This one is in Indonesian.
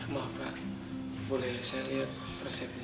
maaf pak boleh saya lihat resepnya